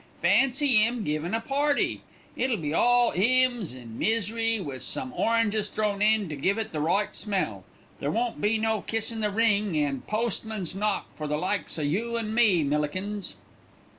"Fancy 'im givin' a party! It'll be all 'ymns an' misery, wi' some oranges thrown in to give it the right smell. There won't be no Kiss in the ring an' Postman's knock for the likes o' you an' me, Millikins."